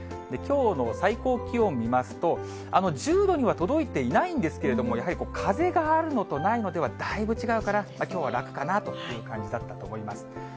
きょうの最高気温見ますと、１０度には届いていないんですけど、やはり風があるのとないのではだいぶ違うから、きょうは楽だったかなと思います。